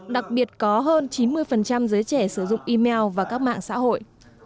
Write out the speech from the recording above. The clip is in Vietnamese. đặc biệt có hơn chín mươi giới trẻ sử dụng email và các mạng xã hội